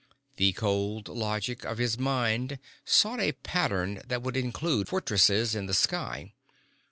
The cold logic of his mind sought a pattern that would include fortresses in the sky.